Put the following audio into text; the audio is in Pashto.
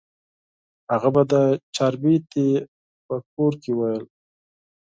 هغه به د چاربیتې په کور کې ویل.